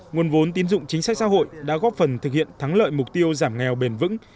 nguồn vốn tín dụng chính sách xã hội đã góp phần thực hiện thắng lợi mục tiêu giảm nghèo bền vững